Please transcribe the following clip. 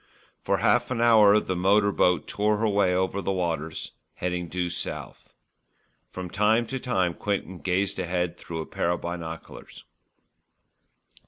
For half an hour the motor boat tore her way over the waters, heading due south. From time to time Quinton gazed ahead through a pair of binoculars.